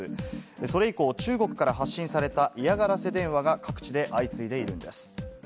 それ以降、中国から発信された嫌がらせ電話が各地で相次いでいるんです。